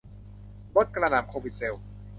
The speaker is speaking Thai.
ลดกระหน่ำโควิดเซลส์